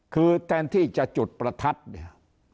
คือแทนที่จะจุดประทัดเนี่ย